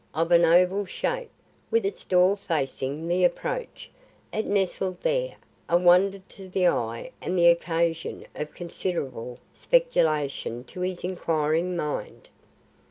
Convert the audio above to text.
Of an oval shape, with its door facing the approach, it nestled there, a wonder to the eye and the occasion of considerable speculation to his inquiring mind.